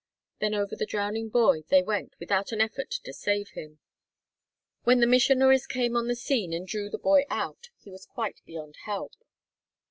Then over the drowning boy they went without an effort to save him! When the missionaries came on the scene and drew the boy out, he was quite beyond help.